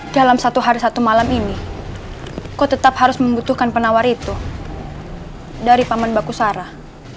dalam satu hari satu malam ini kok tetap harus membutuhkan penawar itu dari paman baku sarah